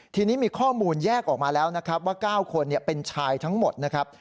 ทีนี้มีข้อมูลแยกออกมาแล้วนะครับว่า๙คนเป็นชายทั้งหมดนะครับ